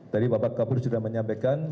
tadi bapak kapur sudah menyampaikan